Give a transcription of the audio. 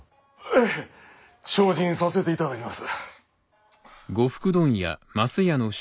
ええ精進させていただきます。